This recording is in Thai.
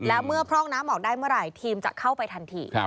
แล้วเมื่อพร่องน้ำออกได้เมื่อไหร่ทีมจะเข้าไปทันที